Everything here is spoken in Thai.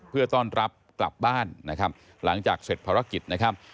เพื่อต้อนรับกลับบ้านนะครับหลังจากเสร็จภารกิจนะครับ